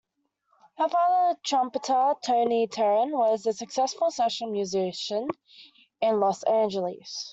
Her father, trumpeter Tony Terran, was a successful session musician in Los Angeles.